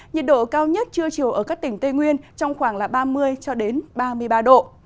nhiệt độ cao nhất trưa chiều ở các tỉnh tây nguyên trong khoảng ba mươi ba mươi ba độ